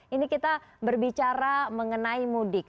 ini kita berbicara mengenai mudik